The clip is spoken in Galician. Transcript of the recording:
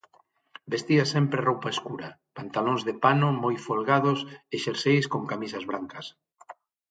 Vestía sempre roupa escura, pantalóns de pano moi folgados e xerseis con camisas brancas.